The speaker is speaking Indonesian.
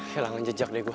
hilangan jejak deh gue